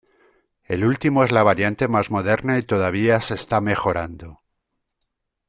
El último es la variante más moderna y todavía se está mejorando.